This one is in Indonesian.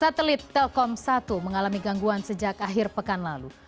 satelit telkom satu mengalami gangguan sejak akhir pekan lalu